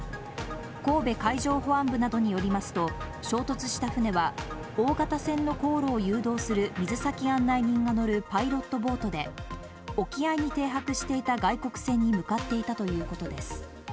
神戸海上保安部などによりますと、衝突した船は、大型船の航路を誘導する水先案内人が乗るパイロットボートで、沖合に停泊していた外国船に向かっていたということです。